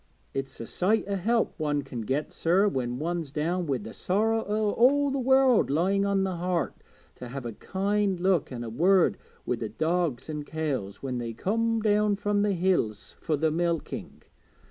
It's a sight o' help one can get, sir, when one's down wi' the sorrow o' all the world lying on the heart, to have a kind look an' a word wi' the dogs an' cows when they comes down the hills fur the milking.